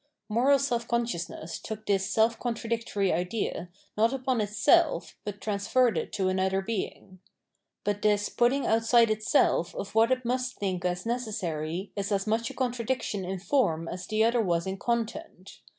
Moral self consciousness took this self contradictory idea not upon itself, but transferred it to another being. But this putting outside itself of what it must think as neces sary is as much a contradiction in form as the other was in content.